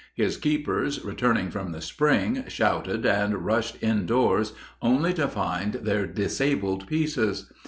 His keepers, returning from the spring, shouted and rushed indoors only to find their disabled pieces.